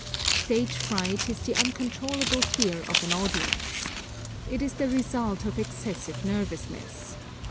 Stage fright is the uncontrollable fear of an audience. It is the result of excessive nervousness.